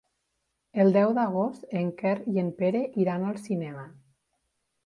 El deu d'agost en Quer i en Pere iran al cinema.